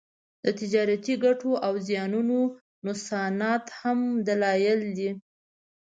د تجارتي ګټو او زیانونو نوسانات هم دلایل دي